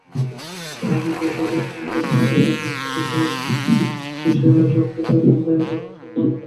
জ্বালানি তেল থেকে মুদ্রা, সোনা থেকে সরকারি বন্ড—বিশ্ববাজারে সবকিছুর মূল্যই এখন সর্বনিম্ন।